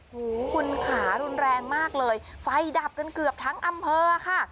หูคุณขารุนแรงมากเลยไฟดับกันเกือบทั้งอำเภอค่ะ